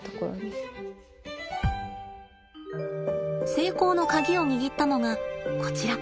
成功のカギを握ったのがこちら。